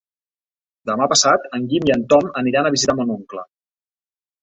Demà passat en Guim i en Tom aniran a visitar mon oncle.